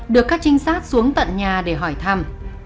được các trinh sát xuống tận nhà để hỏi thăm